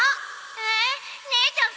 え姉ちゃん